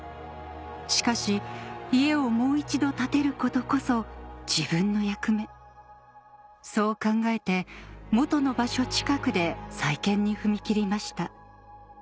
しかし家をもう一度建てることこそ自分の役目そう考えて元の場所近くで再建に踏み切りました